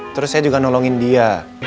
terus saya juga nolongin dia